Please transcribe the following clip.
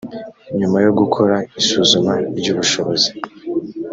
nyuma yo gukora isuzuma ry ubushobozi